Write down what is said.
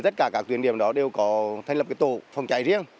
tất cả các tuyến điểm đó đều có thành lập tổ phòng cháy riêng